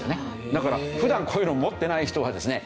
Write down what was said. だから普段こういうのを持っていない人はですね